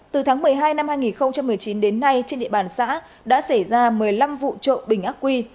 từ tháng một mươi hai năm hai nghìn một mươi chín đến nay trên địa bàn xã đã xảy ra một mươi năm vụ trộm bình ác quy